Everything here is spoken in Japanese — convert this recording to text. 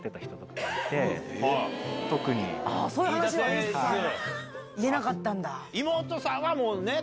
そういう話は一切言えなかったんだ。